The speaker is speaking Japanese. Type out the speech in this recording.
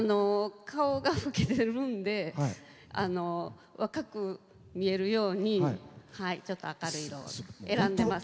顔が老けてるんで若く見えるようにちょっと明るい色を選んでます。